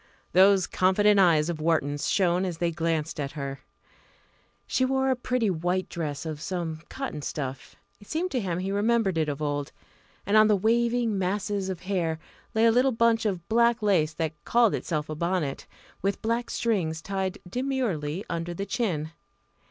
Those confident eyes of Wharton's shone as they glanced at her. She wore a pretty white dress of some cotton stuff it seemed to him he remembered it of old and on the waving masses of hair lay a little bunch of black lace that called itself a bonnet, with black strings tied demurely under the chin.